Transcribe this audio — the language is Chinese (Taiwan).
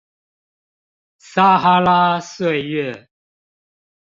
撒哈拉歲月